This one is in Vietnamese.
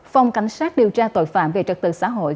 phòng cảnh sát điều tra tội phạm về trật tự xã hội